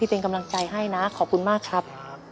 เป็นกำลังใจให้นะขอบคุณมากครับ